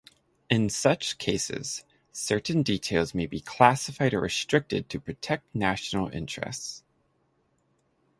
In such cases, certain details may be classified or restricted to protect national interests.